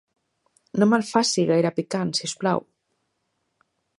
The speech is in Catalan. No me'l faci gaire picant, si us plau.